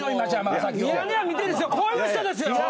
ミヤネ屋見てる人、こういう人ですよ。